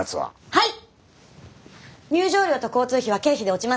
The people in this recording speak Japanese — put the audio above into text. はい！